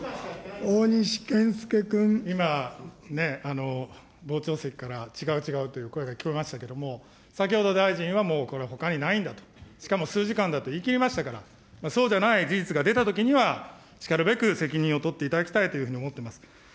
今ね、傍聴席から、違う違うという声が聞こえましたけれども、先ほど大臣は、もう、これはほかにないんだと、しかも数時間だと言い切りましたから、そうじゃない事実が出たときには、しかるべく責任を取っていただきたいというふうに思っています。